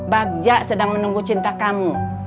bagja sedang menunggu cinta kamu